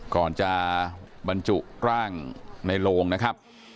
ก่อนจะบรรจุร่างในโลงนะครับ